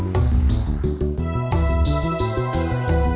mau langsung jalan